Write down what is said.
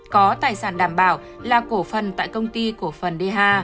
có tài sản đảm bảo là cổ phần tại công ty cổ phần dha